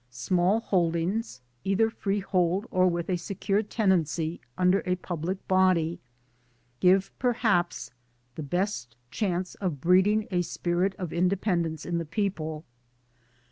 Small Holdings either freehold or with a secure tenancy under a public body give perhaps the best chance of breeding] a spirit of independence in the people.